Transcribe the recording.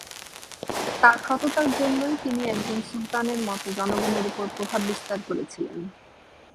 তার সততার জন্যই তিনি একজন সুলতানের মতো জনগণের ওপর প্রভাব বিস্তার করেছিলেন।